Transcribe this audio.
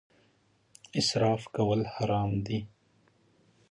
اسراف کول حرام دي